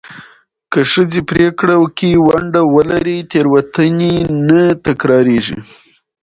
که ښځې پرېکړه کې ونډه ولري، تېروتنې نه تکرارېږي.